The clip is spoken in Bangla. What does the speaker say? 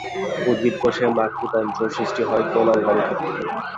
উদ্ভিদকোষে মাকুতন্ত্র সৃষ্টি হয় কোন অঙ্গাণু থেকে?